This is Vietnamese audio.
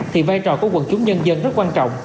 thì vai trò của quần chúng nhân dân rất quan trọng